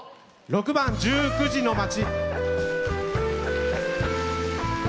６番「１９：００の街」。